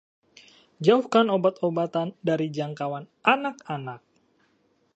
Jauhkan obat-obatan dari jangkauan anak-anak.